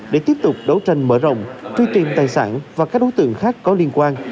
để tiếp tục đấu tranh mở rộng truy tìm tài sản và các đối tượng khác có liên quan